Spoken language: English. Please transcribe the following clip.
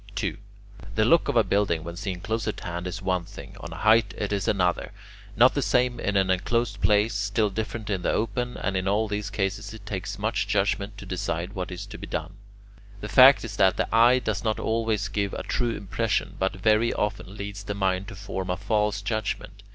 2. The look of a building when seen close at hand is one thing, on a height it is another, not the same in an enclosed place, still different in the open, and in all these cases it takes much judgment to decide what is to be done. The fact is that the eye does not always give a true impression, but very often leads the mind to form a false judgment.